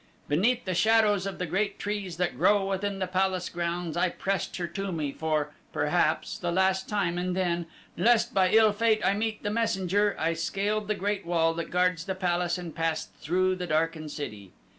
"Beneath the shadows of the great trees that grow within the palace grounds I pressed her to me for, perhaps, the last time and then, lest by ill fate I meet the messenger, I scaled the great wall that guards the palace and passed through the darkened city.